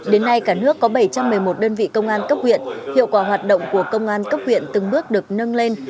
đến nay cả nước có bảy trăm một mươi một đơn vị công an cấp huyện hiệu quả hoạt động của công an cấp huyện từng bước được nâng lên